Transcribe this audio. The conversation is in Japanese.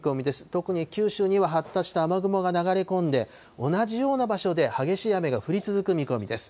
特に九州には発達した雨雲が流れ込んで、同じような場所で激しい雨が降り続く見込みです。